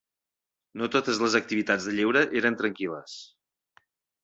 No totes les activitats de lleure eren tranquil·les.